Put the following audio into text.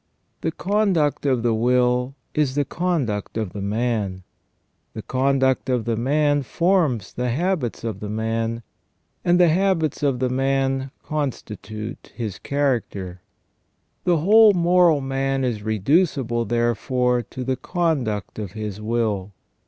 The conduct of the will is the conduct of the man ; the conduct of the man forms the habits of the man, and the habits of the man constitute his character. The whole moral man is reducible, therefore, to the conduct of his will.